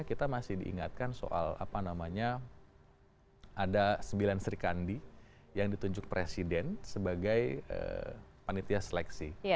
kita masih diingatkan soal apa namanya ada sembilan serikandi yang ditunjuk presiden sebagai panitia seleksi